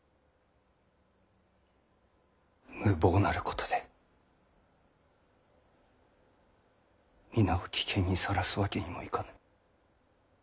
無謀なることで皆を危険にさらすわけにもいかぬ。